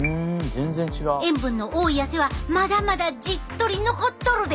塩分の多い汗はまだまだじっとり残っとるで！